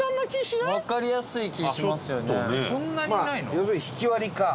要するに、ひきわりか。